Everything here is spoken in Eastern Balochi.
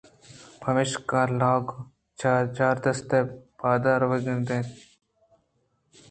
پمیشا لاگ چاردست ءُ پاد رَوَگ ءَ اَت